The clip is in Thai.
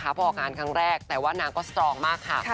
พอออกงานครั้งแรกแต่ว่านางก็สตรองมากค่ะ